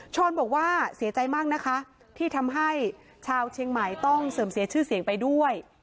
บอกว่าเสียใจมากนะคะที่ทำให้ชาวเชียงใหม่ต้องเสื่อมเสียชื่อเสียงไปด้วย